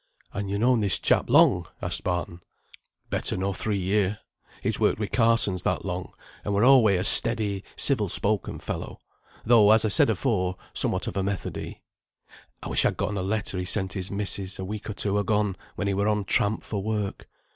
"Han yo known this chap long?" asked Barton. "Better nor three year. He's worked wi' Carsons that long, and were alway a steady, civil spoken fellow, though, as I said afore, somewhat of a Methodee. I wish I'd gotten a letter he sent his missis, a week or two agone, when he were on tramp for work.